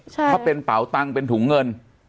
ถ้าเป็นเป๋าตังค์เป็นถุงเงิน